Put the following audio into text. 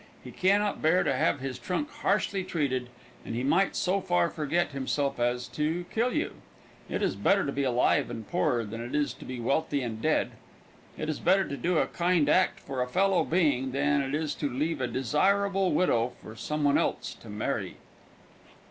He can not bear to have his trunk harshly treated, and he might so far forget himself as to kill you. It is better to be alive and poor than it is to be wealthy and dead. It is better to do a kind act for a fellow being than it is to leave a desirable widow for some one else to marry.